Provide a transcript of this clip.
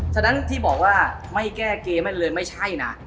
ฉะนั้นที่บอกว่าไม่แก้เกมแม่นเลยไม่ใช่นะ